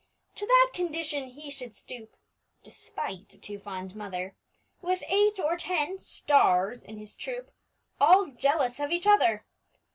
To that condition he should stoop (Despite a too fond mother), With eight or ten "stars" in his troupe, All jealous of each other!